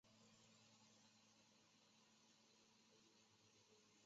后脚的第一趾没有爪及相对的。